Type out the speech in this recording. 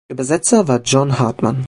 Übersetzer war John Hardman.